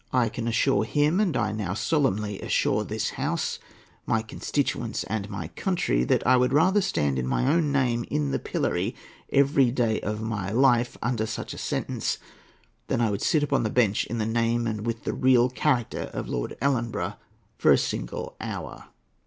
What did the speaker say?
I can assure him, and I now solemnly assure this House, my constituents, and my country, that I would rather stand in my own name, in the pillory, every day of my life, under such a sentence, than I would sit upon the bench in the name and with the real character of Lord Ellenborough for one single hour.